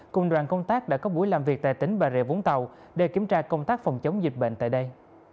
cùng đoàn công tác đã có buổi làm việc tại tỉnh bà rịa vũng tàu để kiểm tra công tác phòng chống dịch bệnh tại đây